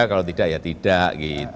kalau tidak ya tidak